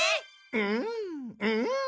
うんうん！